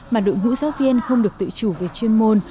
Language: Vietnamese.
mà đội ngũ giáo viên không được tự chủ về chuyên môn